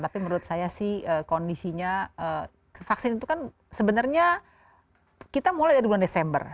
tapi menurut saya sih kondisinya vaksin itu kan sebenarnya kita mulai dari bulan desember